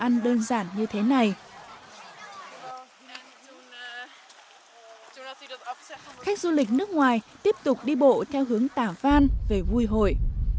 các khách du lịch nước ngoài tiếp tục đi bộ theo hướng tả van về vui hội